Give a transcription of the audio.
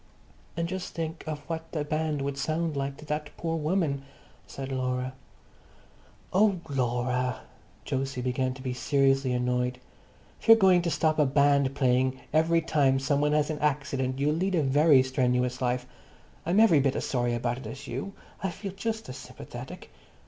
"And just think of what the band would sound like to that poor woman," said Laura. "Oh, Laura!" Jose began to be seriously annoyed. "If you're going to stop a band playing every time some one has an accident, you'll lead a very strenuous life. I'm every bit as sorry about it as you. I feel just as sympathetic."